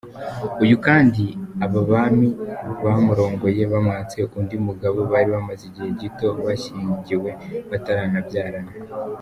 Uyu kandi aba bami bamurongoye bamwatse undi mugabo bari bamaze igihe gito bashyingiwe bataranabyarana.